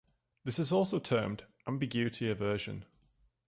This is also termed "ambiguity aversion".